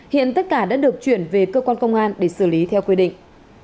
hiện tất cả đã được chuyển về cơ quan công an để xử lý theo quy định